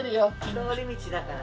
通り道だから。